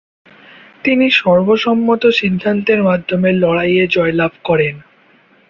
তিনি সর্বসম্মত সিদ্ধান্তের মাধ্যমে লড়াইয়ে জয়লাভ করেন।